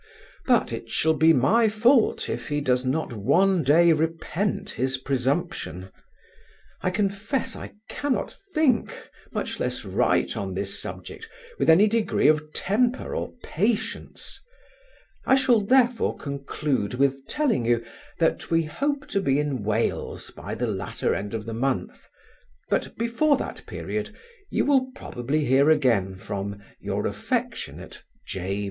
But it shall be my fault if he does not one day repent his presumption I confess I cannot think, much less write on this subject, with any degree of temper or patience; I shall therefore conclude with telling you, that we hope to be in Wales by the latter end of the month: but before that period you will probably hear again from your affectionate J.